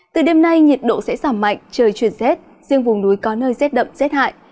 từ đêm nay nhiệt độ sẽ giảm mạnh trời chuyển rét riêng vùng núi có nơi rét đậm rét hại